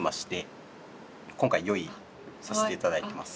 今回用意させて頂いてます。